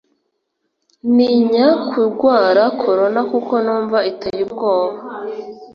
Ninya kurwara corona kuko numva iteye ubwoba